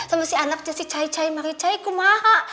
sama si anaknya si cai cai maricai kumaha